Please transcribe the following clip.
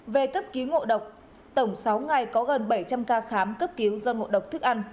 về cấp cứu ngộ độc tổng sáu ngày có gần bảy trăm linh ca khám cấp cứu do ngộ độc thức ăn